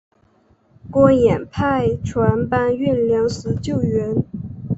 郭衍派船搬运粮食救援。